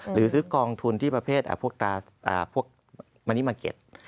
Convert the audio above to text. หรือซื้อกองทุนที่ประเภทพวกมณิมาร์เก็ต